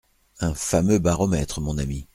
«Un fameux baromètre, mon ami.